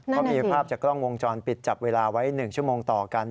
เขามีภาพจากกล้องวงจรปิดจับเวลาไว้๑ชั่วโมงต่อกัน